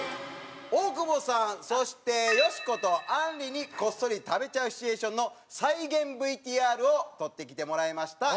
大久保さんそしてよしことあんりにこっそり食べちゃうシチュエーションの再現ＶＴＲを撮ってきてもらいました。